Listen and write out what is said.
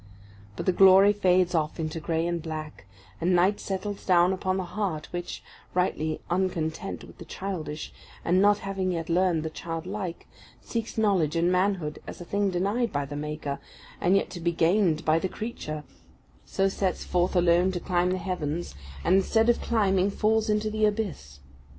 But the glory fades off into grey and black, and night settles down upon the heart which, rightly uncontent with the childish, and not having yet learned the childlike, seeks knowledge and manhood as a thing denied by the Maker, and yet to be gained by the creature; so sets forth alone to climb the heavens, and instead of climbing, falls into the abyss.